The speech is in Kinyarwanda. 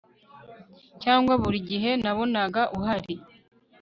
cyangwa buri gihe nabonaga uhari